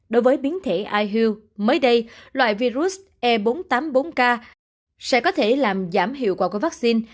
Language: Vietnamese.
đối với biến thể ihu mới đây loại virus e bốn trăm tám mươi bốn k sẽ có thể làm giảm hiệu quả của vaccine